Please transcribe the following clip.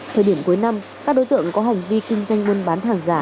thời điểm cuối năm các đối tượng có hành vi kinh doanh buôn bán hàng giả